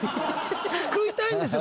救いたいんですよ。